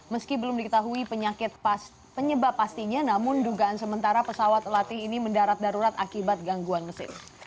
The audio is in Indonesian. meski belum diketahui penyebab pastinya namun dugaan sementara pesawat latih ini mendarat darurat akibat gangguan mesin